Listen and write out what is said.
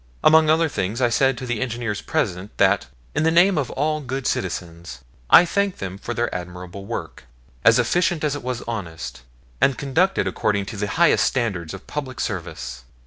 Among other things, I said to the engineers present that in the name of all good citizens I thanked them for their admirable work, as efficient as it was honest, and conducted according to the highest standards of public service.